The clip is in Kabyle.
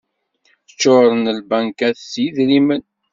Ččuren lbankat s yidrimen.